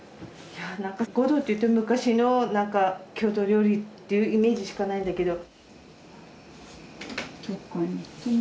ごどっていうと昔の何か郷土料理っていうイメージしかないんだけど。